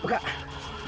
pekak sedang apa